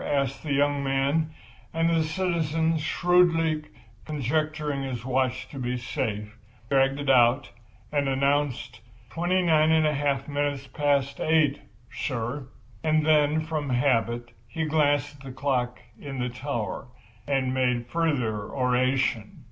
asked the young man; and the citizen, shrewdly conjecturing his watch to be safe, dragged it out and announced: "Twenty nine and a half minutes past eight, sir." And then, from habit, he glanced at the clock in the tower, and made further oration.